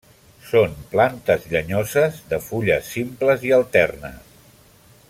Són plantes llenyoses de fulles simples i alternes.